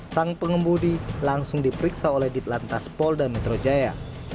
sang pengemudi langsung diperiksa oleh ditlantas polda metro jaya